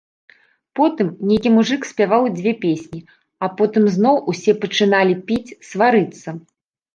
Потым нейкі мужык спяваў дзве песні, а потым зноў усе пачыналі піць, сварыцца.